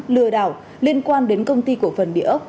lừa đảo liên quan đến công ty cổ phần địa ốc